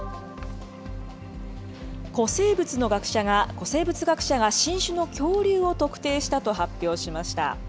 古生物学者が新種の恐竜を特定したと発表しました。